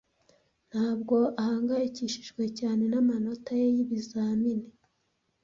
Ntabwo ahangayikishijwe cyane namanota ye y'ibizamini.